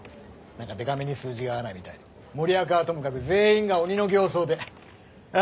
何かでかめに数字が合わないみたいで森若はともかく全員が鬼の形相であ